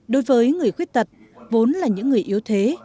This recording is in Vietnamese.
đối với người khuyết tật vốn là những người yếu thế